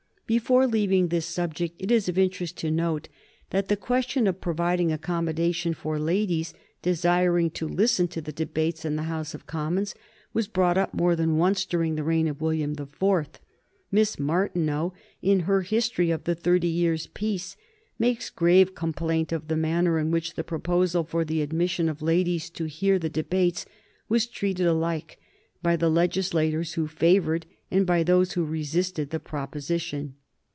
Before leaving this subject it is of interest to note that the question of providing accommodation for ladies desiring to listen to the debates in the House of Commons was brought up more than once during the reign of William the Fourth. Miss Martineau, in her "History of the Thirty Years' Peace," makes grave complaint of the manner in which the proposal for the admission of ladies to hear the debates was treated alike by the legislators who favored and by those who resisted the proposition.